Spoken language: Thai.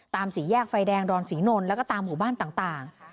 สี่แยกไฟแดงดอนศรีนนท์แล้วก็ตามหมู่บ้านต่าง